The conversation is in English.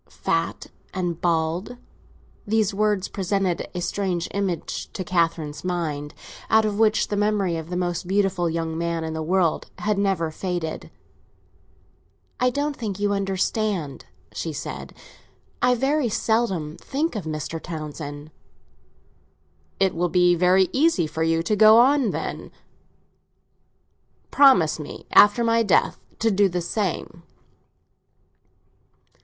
"Fat and bald": these words presented a strange image to Catherine's mind, out of which the memory of the most beautiful young man in the world had never faded. "I don't think you understand," she said. "I very seldom think of Mr. Townsend." "It will be very easy for you to go on, then. Promise me, after my death, to do the same."